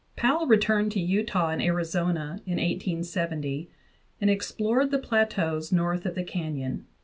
Powell returned to Utah and Arizona in 1870 and explored the plateaus north of the canyon.